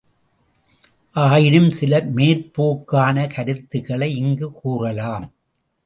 ஆயினும் சில மேற்போக்கான கருத்துக்களை இங்கு கூறலாம்.